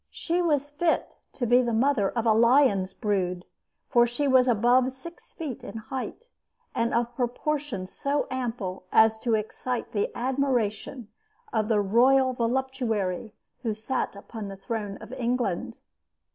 She was fit to be the mother of a lion's brood, for she was above six feet in height and of proportions so ample as to excite the admiration of the royal voluptuary who sat upon the throne of England.